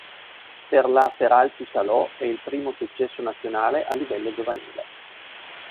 Per la Feralpisalò è il primo successo nazionale a livello giovanile.